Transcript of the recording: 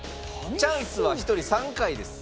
チャンスは１人３回です。